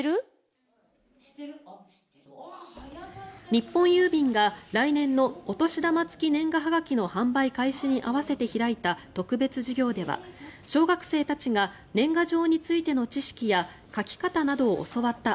日本郵便が来年のお年玉付き年賀はがきの販売開始に合わせて開いた特別授業では小学生たちが年賀状についての知識や書き方などを教わった